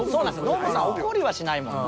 ノブさん怒りはしないもんな。